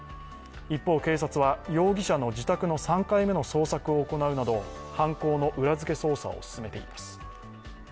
一方、警察は容疑者の自宅の３回目の捜索を行うなど犯行の裏付け捜査を進めています。